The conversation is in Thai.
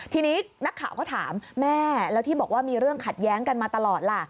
ทีนี้นักข่าวก็ถามแม่แล้วที่บอกว่ามีเรื่องขัดแย้งกันมาตลอดล่ะ